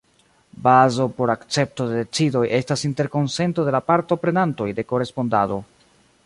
Bazo por akcepto de decidoj estas interkonsento de la partoprenantoj de korespondado.